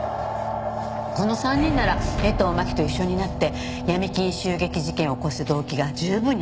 この３人なら江藤真紀と一緒になって闇金襲撃事件を起こす動機が十分にあります。